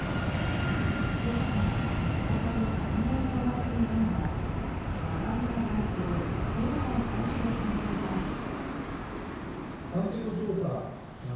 今朝から、再び釈明に追われていたのは山際大志郎経済再生担当大臣。